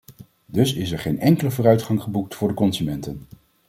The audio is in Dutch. Dus is er geen enkele vooruitgang geboekt voor de consumenten.